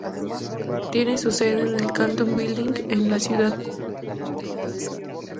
Tiene su sede en el "Carlton Building" en la ciudad de Tallahassee.